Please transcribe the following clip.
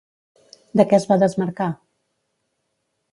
De què es va desmarcar?